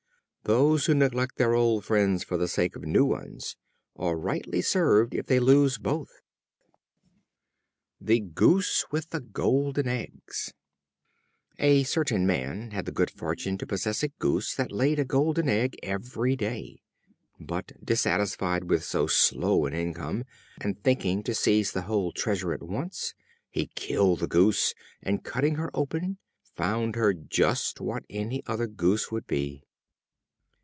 They who neglect their old friends for the sake of new ones, are rightly served if they lose both. The Goose with the Golden Eggs. A certain man had the good fortune to possess a Goose that laid him a Golden Egg every day. But dissatisfied with so slow an income, and thinking to seize the whole treasure at once, he killed the Goose, and cutting her open, found her just what any other goose would be!